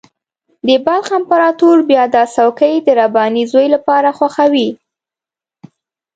د بلخ امپراطور بیا دا څوکۍ د رباني زوی لپاره خوښوي.